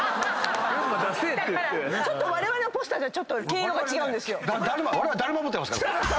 われわれのポスターとはちょっと毛色が違うんですよ。